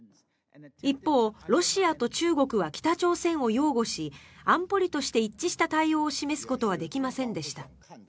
一方、ロシアと中国は北朝鮮を擁護し安保理として一致した対応を示すことはできませんでした。